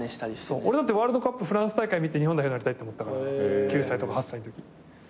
俺だってワールドカップフランス大会見て日本代表になりたいって思ったから９歳とか８歳のとき。